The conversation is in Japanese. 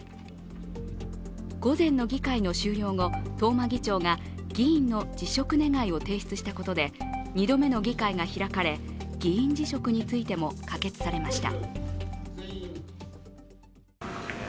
午前の議会の終了後東間議長が議員の辞職願を提出したことで２度目の議会が開かれ議員辞職についても可決されました。